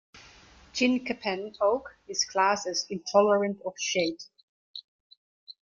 Chinkapin oak is classed as intolerant of shade.